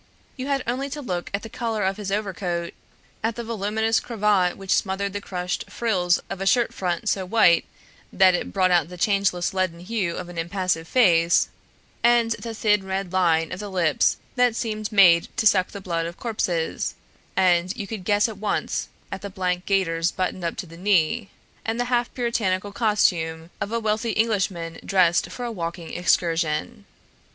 You had only to look at the collar of his overcoat, at the voluminous cravat which smothered the crushed frills of a shirt front so white that it brought out the changeless leaden hue of an impassive face, and the thin red line of the lips that seemed made to suck the blood of corpses; and you could guess at once at the black gaiters buttoned up to the knee, and the half puritanical costume of a wealthy Englishman dressed for a walking excursion.